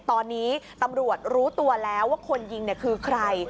ตอนนี้ตำรวจรู้ตัวแล้วว่าคนยิงคือใคร